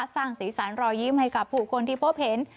สร้างสีสันรอยยิ้มให้กับผู้คนที่พบเห็น